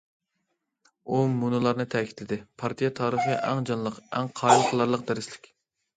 ئۇ مۇنۇلارنى تەكىتلىدى: پارتىيە تارىخى ئەڭ جانلىق، ئەڭ قايىل قىلارلىق دەرسلىك.